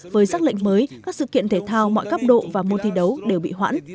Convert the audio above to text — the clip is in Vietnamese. với sắc lệnh mới các sự kiện thể thao mọi cấp độ và môn thi đấu đều bị hoãn